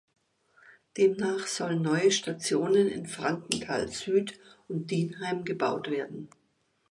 Demnach sollen neue Stationen in "Frankenthal Süd" und "Dienheim" gebaut werden.